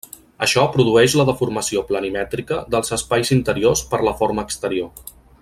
Això produeix la deformació planimètrica dels espais interiors per la forma exterior.